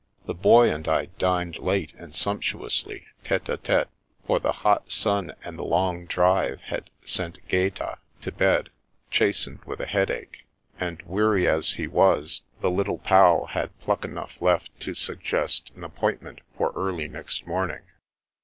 The Boy and I dined late and sumptuously, tete a tete, for the hot sun and the long drive had sent Gaeta to bed, chas tened with a headache; and, weary as he was, the Little Pal had pluck enough left to suggest an ap pointment for early next morning.